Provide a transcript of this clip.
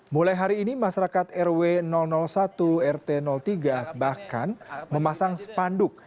mulai hari ini masyarakat rw satu rt tiga bahkan memasang spanduk